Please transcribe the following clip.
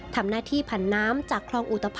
ทำหน้าที่ผันน้ำจากคลองอุตภั